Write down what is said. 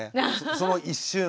その一瞬。